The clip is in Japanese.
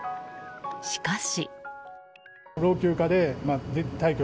しかし。